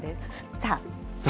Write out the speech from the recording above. さあ。